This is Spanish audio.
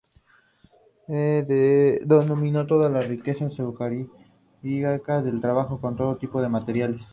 Dominó todas las riquezas escultóricas y trabajó con todo tipo de materiales.